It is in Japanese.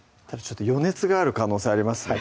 余熱がある可能性ありますね